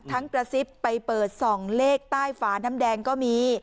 ทั้งประซิบไปเปิด๒เลขใต้ฝาน้ำแดงก็มี